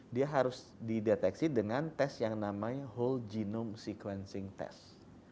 dia harus dideteksi dengan tes yang namanya whole genome sequencing test